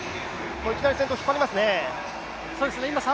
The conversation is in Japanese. いきなり先頭を引っ張りますね。